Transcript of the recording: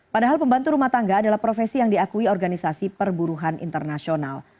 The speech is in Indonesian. padahal pembantu rumah tangga adalah profesi yang diakui organisasi perburuhan internasional